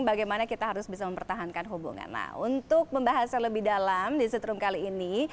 bagaimana kita harus bisa mempertahankan hubungan nah untuk membahasnya lebih dalam di setrum kali ini